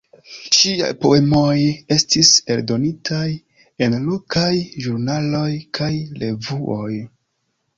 Ŝiaj poemoj estis eldonitaj en lokaj ĵurnaloj kaj revuoj.